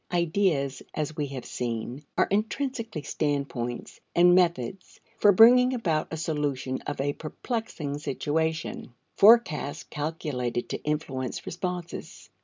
Ideas, as we have seen, are intrinsically standpoints and methods for bringing about a solution of a perplexing situation; forecasts calculated to influence responses.